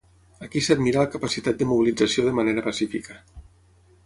Aquí s’admira la capacitat de mobilització de manera pacífica.